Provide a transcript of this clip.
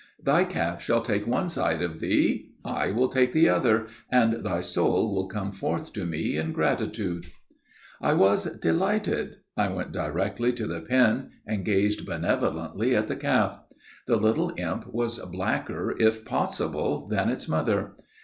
Thy calf shall take one side of thee. I will take the other, and thy soul will come forth to me in gratitude!' "I was delighted. I went directly to the pen, and gazed benevolently at the calf. The little imp was blacker, if possible, than its mother.